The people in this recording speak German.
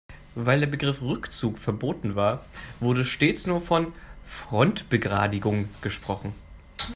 Weil der Begriff Rückzug verboten war, wurde stets nur von Frontbegradigung gesprochen.